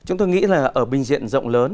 chúng tôi nghĩ là ở bình diện rộng lớn